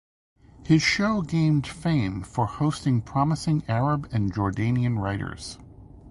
His show gained fame for hosting promising Arab and Jordanian writers.